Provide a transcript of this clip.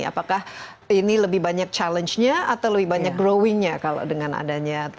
apakah ini lebih banyak challenge nya atau lebih banyak grawingnya kalau dengan adanya